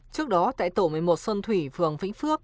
trước đó tại tổ một mươi một xuân thủy phường vĩnh phước